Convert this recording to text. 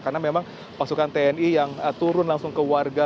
karena memang pasukan tni yang turun langsung ke warga